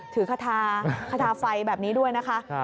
ถือคาทาไฟแบบนี้ด้วยนะคะ